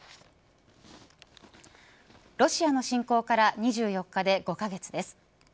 ロシアの侵攻から２４日で５カ月です。